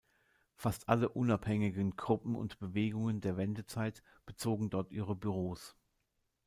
Fast alle unabhängigen Gruppen und Bewegungen der Wendezeit bezogen dort ihre Büros.